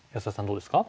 どうですか？